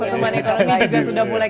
pertumbuhan ekonominya juga sudah mulai